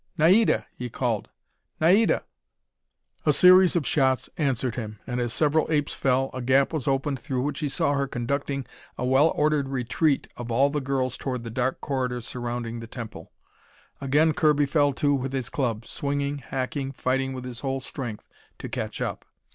"Naida!" he called. "Naida!" A series of shots answered him, and as several apes fell, a gap was opened through which he saw her conducting a well ordered retreat of all the girls toward the dark corridors surrounding the temple. Again Kirby fell to with his club, swinging, hacking, fighting with his whole strength to catch up.